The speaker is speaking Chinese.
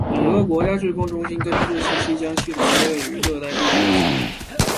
美国国家飓风中心根据这些信息将系统归类成热带低气压。